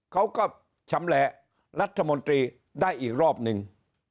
เขาก็ชำแหละรัฐมนตรีได้อีกรอบนึง